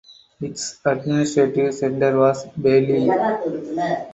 Its administrative centre was Bely.